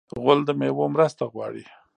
غول د میوو مرسته غواړي.